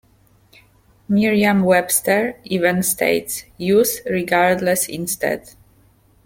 "Merriam-Webster" even states, "Use regardless instead.